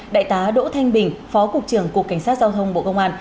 đại tá đỗ thanh bình phó cục trưởng cục cảnh sát giao thông bộ công an